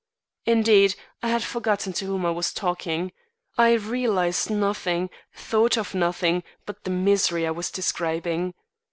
Indeed, I had forgotten to whom I was talking. I realised nothing, thought of nothing but the misery I was describing.